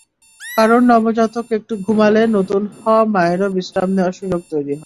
কারণ, নবজাতক একটু ঘুমালে নতুন হওয়া মায়েরও বিশ্রাম নেওয়ার সুযোগ তৈরি হয়।